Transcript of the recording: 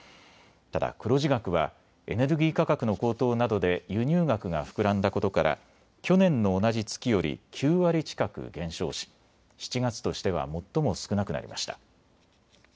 ただ黒字額はエネルギー価格の高騰などで輸入額が膨らんだことから去年の同じ月より９割近く減少し、７月としては最も少なくなりました。